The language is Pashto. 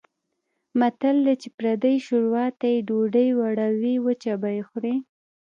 متل دی: چې پردۍ شوروا ته یې ډوډۍ وړوې وچه به یې خورې.